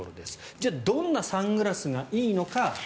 じゃあ、どんなサングラスがいいのか。